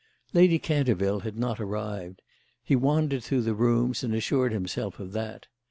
Lady Canterville had not arrived; he wandered through the rooms and assured himself of that.